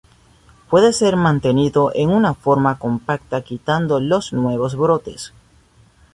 Puede ser mantenido en una forma compacta quitando los nuevos brotes.